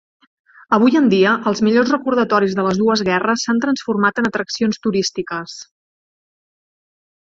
Avui en dia, els millors recordatoris de les dues guerres s'han transformat en atraccions turístiques.